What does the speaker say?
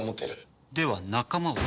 では仲間は？